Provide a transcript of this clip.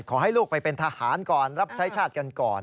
ขอให้ลูกไปเป็นทหารก่อนรับใช้ชาติกันก่อน